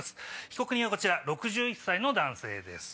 被告人はこちら６１歳の男性です。